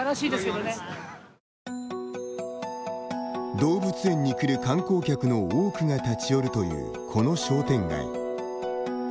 動物園に来る観光客の多くが立ち寄るというこの商店街。